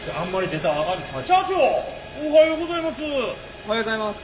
おはようございます。